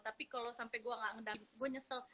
tapi kalau sampai gue ngedampingin gue nyesel